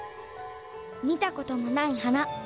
見たこともない花。